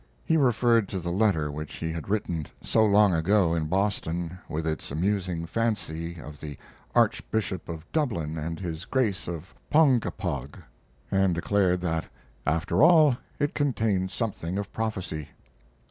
He referred to the letter which he had written so long ago in Boston, with its amusing fancy of the Archbishop of Dublin and his Grace of Ponkapog, and declared that, after all, it contained something of prophecy.